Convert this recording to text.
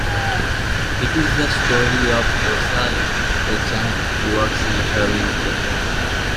It is the story of Rosalie, a child who works in a travelling theatre.